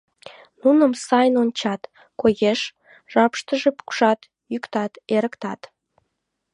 Нуным сайын ончат, коеш: жапыштыже пукшат, йӱктат, эрыктат».